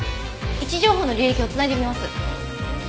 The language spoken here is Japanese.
位置情報の履歴を繋いでみます。